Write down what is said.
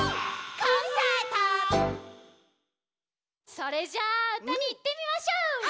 それじゃあうたにいってみましょう！